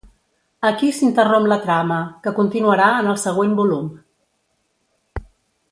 Aquí s'interromp la trama, que continuarà en el següent volum: